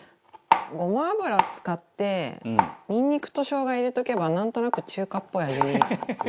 ごま油使ってニンニクと生姜入れておけばなんとなく中華っぽい味に。